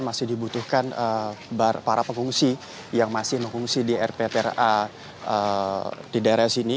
masih dibutuhkan para pengungsi yang masih mengungsi di rptra di daerah sini